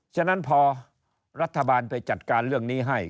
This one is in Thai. ฉะนั้นพอรัฐบาลไปจัดการเรื่องนี้ให้